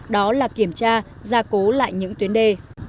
đó là kiểm tra gia cố lại những tuyến đê